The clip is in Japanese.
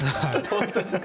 本当ですか？